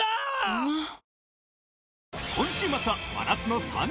うまっ！！